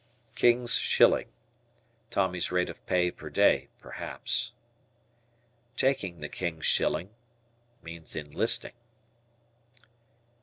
"King's Shilling." Tommy's rate of pay per day, perhaps. "Taking the King's Shilling" means enlisting.